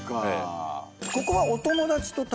ここは。